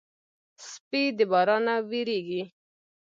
سپي د باران نه وېرېږي.